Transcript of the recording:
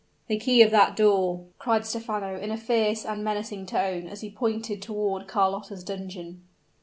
"The key of that door!" cried Stephano in a fierce and menacing tone, as he pointed toward Carlotta's dungeon.